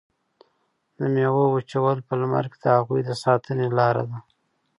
د میوو وچول په لمر کې د هغوی د ساتنې لاره ده.